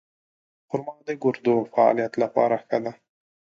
خرما د ګردو د فعالیت لپاره ښه ده.